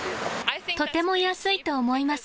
とても安いと思います。